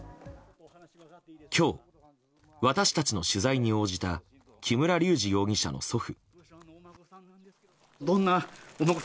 今日、私たちの取材に応じた木村隆二容疑者の祖父。